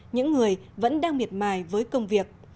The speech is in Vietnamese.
những người vẫn đang miệt mài với công việc